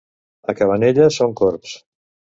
A Cabanelles són corbs.